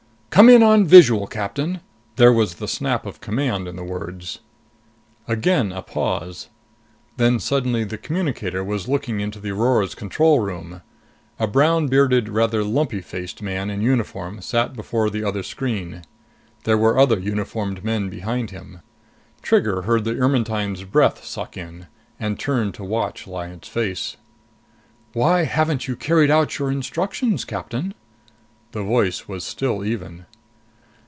"Come in on visual, Captain!" There was the snap of command in the words. Again a pause. Then suddenly the communicator was looking into the Aurora's control room. A brown bearded, rather lumpy faced man in uniform sat before the other screen. There were other uniformed men behind him. Trigger heard the Ermetyne's breath suck in and turned to watch Lyad's face. "Why haven't you carried out your instructions, Captain?" The voice was still even.